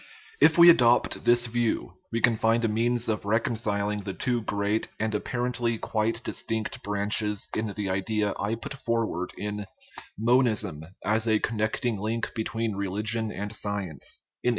If we adopt this view, we can find a means of reconcil ing the two great and apparently quite distinct branch es in the idea I put forward in "Monism, as a Con necting Link between Religion and Science," in 1892.